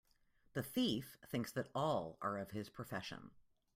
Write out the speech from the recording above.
The thief thinks that all are of his profession.